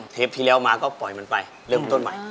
ที่แล้วมาก็ปล่อยมันไปเริ่มต้นใหม่